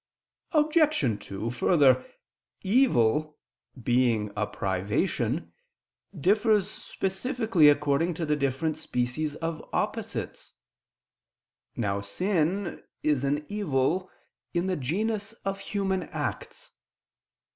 Obj. 2: Further, evil, being a privation, differs specifically according to the different species of opposites. Now sin is an evil in the genus of human acts.